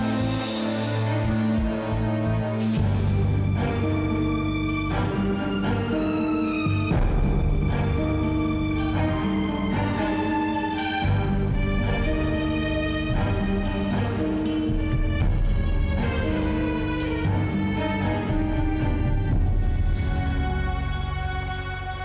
amirah kamu gak apa apakan